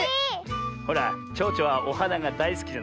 ほらちょうちょはおはながだいすきじゃない？